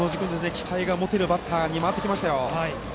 期待の持てるバッターに回ってきましたよ。